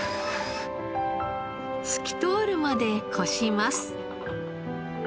透き通るまでこします。